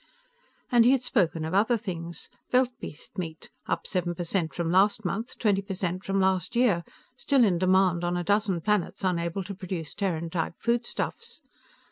And he had spoken of other things. Veldbeest meat, up seven per cent from last month, twenty per cent from last year, still in demand on a dozen planets unable to produce Terran type foodstuffs.